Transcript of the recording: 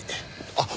あっ！